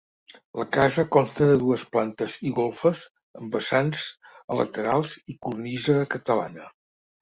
La casa consta de dues plantes i golfes amb vessants a laterals i cornisa catalana.